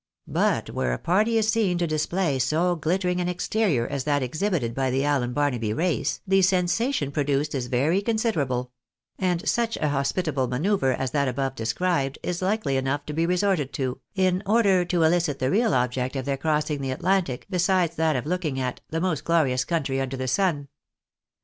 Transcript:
But where a party is seen to display so glittering an exterior as that exhibited by the Allen Barnaby race, the sensation produced is very considerable ; and such a hospitable manoeuvre as that above described, is likely enough to be resorted to, in order to ehcit the real object of their crossing the Atlantic, besides that of looking at " the most glorious country under the sun."